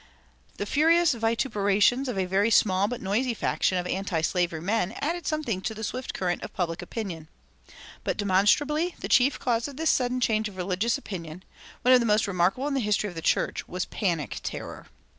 The furious vituperations of a very small but noisy faction of antislavery men added something to the swift current of public opinion. But demonstrably the chief cause of this sudden change of religious opinion one of the most remarkable in the history of the church was panic terror.